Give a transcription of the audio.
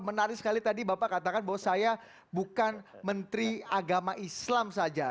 menarik sekali tadi bapak katakan bahwa saya bukan menteri agama islam saja